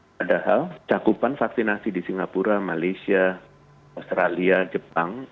padahal cakupan vaksinasi di singapura malaysia australia jepang